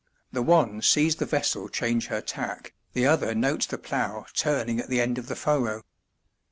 The one sees the vessel change her tack, the other notes the plough turning at the end of the furrow.